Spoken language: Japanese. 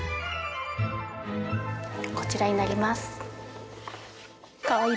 こちらになります。